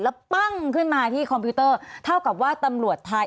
แล้วปั้งขึ้นมาที่คอมพิวเตอร์เท่ากับว่าตำรวจไทย